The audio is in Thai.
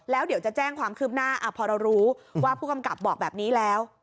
แล้วเดี๋ยวจะแจ้งความคืบหน้าพอเรารู้ว่าผู้กำกับบอกแบบนี้แล้ว